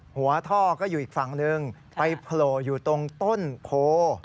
ค่ะหัวท่อก็อยู่ไอฟางนึงไปโผล่อยู่ตรงต้นโพ